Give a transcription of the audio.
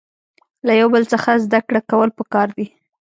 له یو بل څخه زده کړه کول پکار دي.